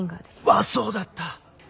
わぁそうだった。